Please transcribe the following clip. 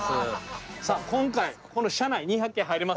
今回この車内２００系入れます！